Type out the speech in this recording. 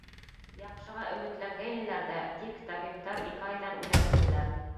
Яҡшыға өмөтләнгәйнеләр ҙә, тик... табиптар, ике айҙан үлә, тинеләр.